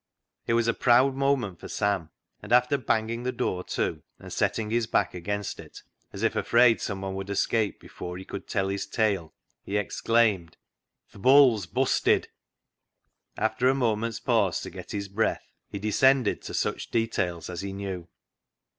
It was a proud moment for Sam, and after banging the door to, and setting his back against it, as if afraid someone would escape before he could tell his tale, he exclaimed : "'Th' Bull's' busted." After a moment's pause to get his breath, he descended to such details as he knew.